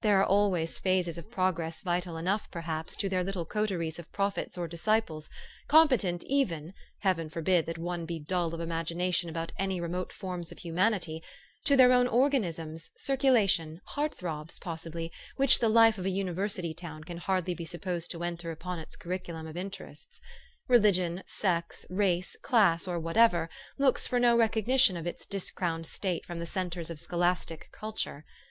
There are always phases of progress vital enough, perhaps, to their little coteries of prophets or disciples, competent, even, (Heaven forbid that one be dull of imagination about any remote forms of humanity !) to their own organisms, circulation, heart throbs, possibly, which the life of a university town can hardly be supposed to enter upon its curriculum of interests. Religion, sex, race, class, or whatever, looks for no recognition of its discrowned state from the centres of scholastic cul ture.